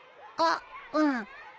あっうん。